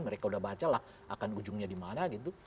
mereka udah baca lah akan ujungnya di mana gitu